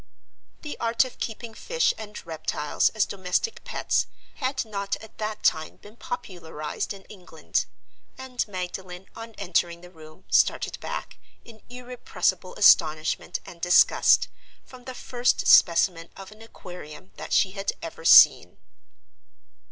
The art of keeping fish and reptiles as domestic pets had not at that time been popularized in England; and Magdalen, on entering the room, started back, in irrepressible astonishment and disgust, from the first specimen of an Aquarium that she had ever seen.